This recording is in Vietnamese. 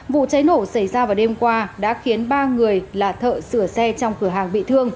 vụ cháy nổ xảy ra vào đêm qua đã khiến ba người là thợ sửa xe trong cửa hàng bị thương